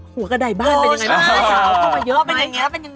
หัวกระด่ายบ้านเป็นอย่างไรบ้าง